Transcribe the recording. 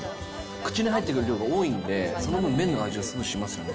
口に入ってくる量が多いんで、その分、麺の味がすごいしますね。